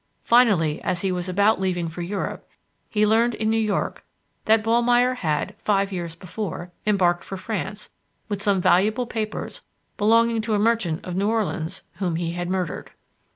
Finally, as he was about leaving for Europe, he learned in New York that Ballmeyer had, five years before, embarked for France with some valuable papers belonging to a merchant of New Orleans whom he had murdered.